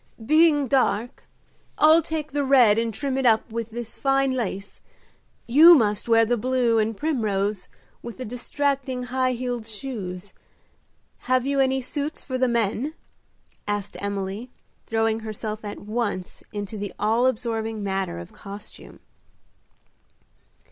"Being dark, I'll take the red and trim it up with this fine lace. You must wear the blue and primrose, with the distracting high heeled shoes. Have you any suits for the men?" asked Emily, throwing herself at once into the all absorbing matter of costume.